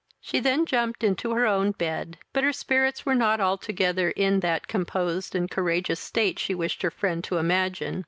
She then jumped into her own bed; but her spirits were not altogether in that composed and courageous state she wished her friend to imagine.